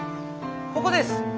ここです。